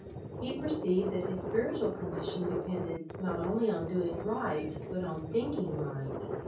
He perceived that his spiritual condition depended, not only on doing right, but on thinking right.